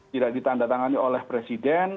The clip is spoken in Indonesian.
tidak ditanda tangani oleh presiden